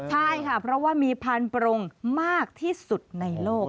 ใช่ค่ะเพราะว่ามีพันธรงมากที่สุดในโลก